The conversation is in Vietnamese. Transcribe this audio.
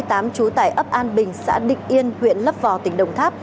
trú tại ấp an bình xã định yên huyện lấp vò tỉnh đồng tháp